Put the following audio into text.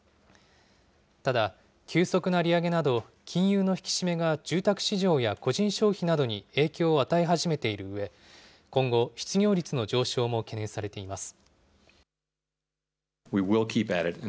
ただ、急速な利上げなど、金融の引き締めが住宅市場や個人消費などに影響を与え始めているうえ、今後、失業率の上昇も懸念されています。